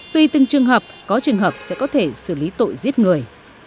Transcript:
tùy từng trường hợp có trường hợp sẽ có thể xử lý tội giết người